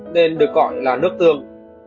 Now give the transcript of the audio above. nên được gọi là nước tương